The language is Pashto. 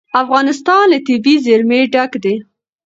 افغانستان له طبیعي زیرمې ډک دی.